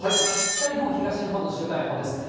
北日本、東日本の週間予報です。